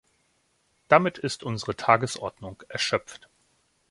Damit ist unsere Tagesordnung erschöpft.